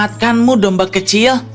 aku akan menyelamatkanmu domba kecil